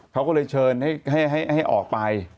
เขาก็เลยเชิญให้ออกไป